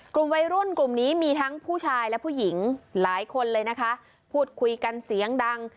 กลุ่มวัยรุ่นกลุ่มนี้มีทั้งผู้ชายและผู้หญิงหลายคนเลยนะคะพูดคุยกันเสียงดัง